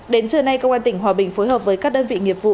đến trưa nay công an tỉnh hòa bình phối hợp với các đơn vị nghiệp vụ